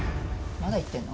まだ言ってんの？